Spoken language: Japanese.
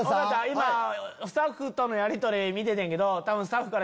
今スタッフとのやりとり見ててんけど。